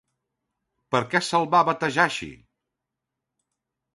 Per què se'l va batejar així?